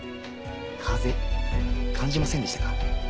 風感じませんでしたか？